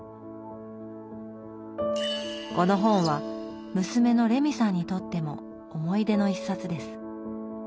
この本は娘のレミさんにとっても思い出の一冊です。